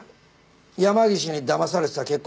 山岸にだまされてた結婚